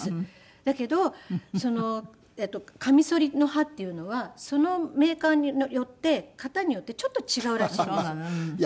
だけどかみそりの刃っていうのはそのメーカーによって型によってちょっと違うらしいんですよ。